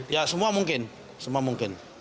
ya semua mungkin semua mungkin